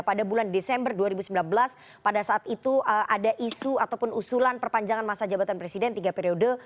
pada bulan desember dua ribu sembilan belas pada saat itu ada isu ataupun usulan perpanjangan masa jabatan presiden tiga periode